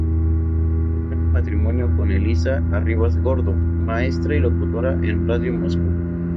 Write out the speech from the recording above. Contrajo matrimonio con Elisa Arribas Gordo, maestra y locutora en Radio Moscú.